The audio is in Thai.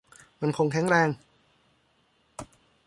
มั่นคงแข็งแรง